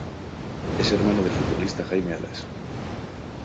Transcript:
Es hermano del futbolista Jaime Alas.